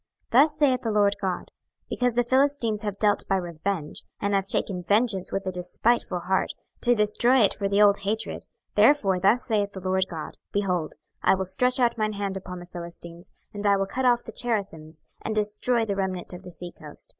26:025:015 Thus saith the Lord GOD; Because the Philistines have dealt by revenge, and have taken vengeance with a despiteful heart, to destroy it for the old hatred; 26:025:016 Therefore thus saith the Lord GOD; Behold, I will stretch out mine hand upon the Philistines, and I will cut off the Cherethims, and destroy the remnant of the sea coast.